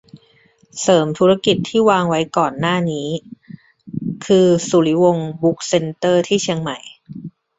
เสริมธุรกิจที่วางไว้ก่อนหน้านี้คือสุริวงศ์บุ๊คเซนเตอร์ ที่เชียงใหม่ ?